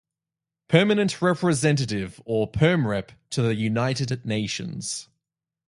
Permanent Representative, or "Perm Rep", to the United Nations.